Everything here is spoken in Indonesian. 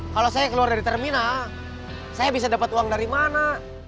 kalau saya keluar dari terminal saya bisa dapat uang dari mana